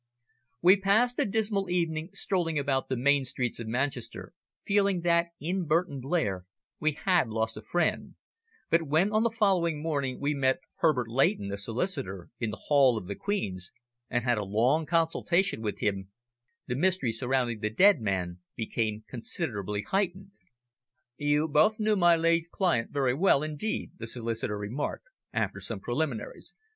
We passed a dismal evening strolling about the main streets of Manchester, feeling that in Burton Blair we had lost a friend, but when on the following morning we met Herbert Leighton, the solicitor, in the hall of the Queen's, and had a long consultation with him, the mystery surrounding the dead man became considerably heightened. "You both knew my late client very well, indeed," the solicitor remarked, after some preliminaries.